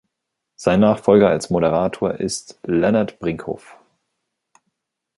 Sein Nachfolger als Moderator ist Lennert Brinkhoff.